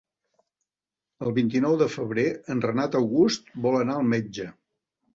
El vint-i-nou de febrer en Renat August vol anar al metge.